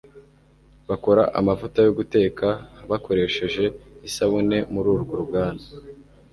Bakora amavuta yo guteka bakoresheje isabune mururwo ruganda